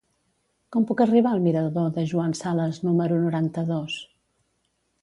Com puc arribar al mirador de Joan Sales número noranta-dos?